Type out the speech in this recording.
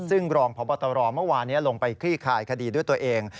ซึ่งรองพบตรเมื่อวานนี้ลงไปคลี่คลายคดีด้วยตัวเอง